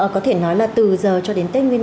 có thể nói là từ giờ cho đến tết nguyên đán